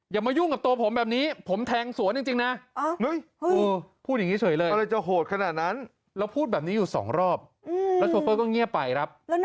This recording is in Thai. อย่ามายุ่งกับตัวผมแบบนี้ผมแทงสวนจริงนะ